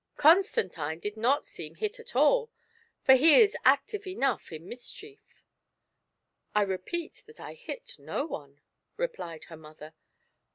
Constantine did not seem hit at all, for he is active enough in mis chief" " I repeat that I hit no one," replied her mother.